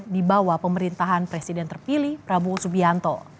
di bawah pemerintahan presiden terpilih prabowo subianto